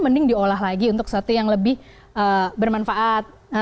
mending diolah lagi untuk sesuatu yang lebih bermanfaat